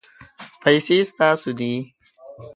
پیسې ستاسو دي